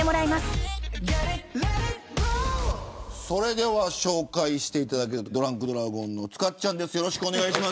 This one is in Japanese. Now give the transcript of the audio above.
それでは紹介していただくドランクドラゴンの塚っちゃんです。